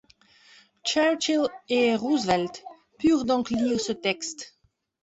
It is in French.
Churchill et Roosevelt purent donc lire ce texte.